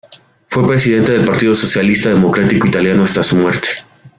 Fue presidente del Partido Socialista Democrático Italiano hasta su muerte.